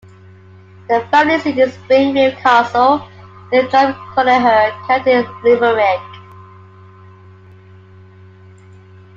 The family seat is Springfield Castle, near Drumcolliher, County Limerick.